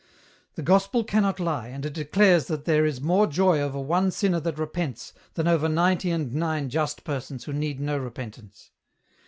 The Gospel cannot lie, and it declares that there is more joy over one sinner that repents than over nmety and nine just persons who need no repentance.